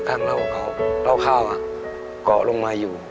ข้างล่างเขาเล่าข้าวเกาะลงมาอยู่